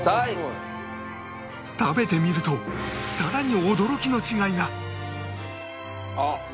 食べてみるとさらに驚きの違いが